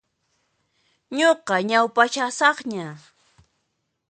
Nuqa ñaupashasaqña.